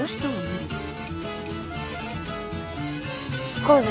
行こうぜ。